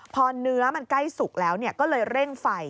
พอเนื้อมันใกล้สุกแล้วก็เลยเร่งไฟ